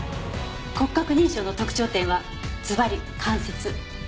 骨格認証の特徴点はずばり関節。